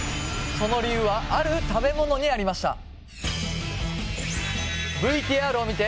その理由はある食べ物にありました